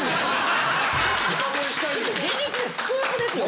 事実スクープですよ